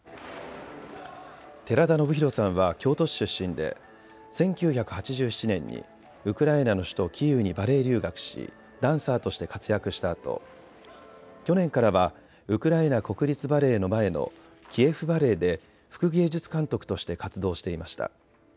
寺田宜弘さんは京都市出身で１９８７年にウクライナの首都キーウにバレエ留学しダンサーとして活躍したあと去年からはウクライナ国立バレエの前のキエフ・バレエで副芸術監督として活動していました。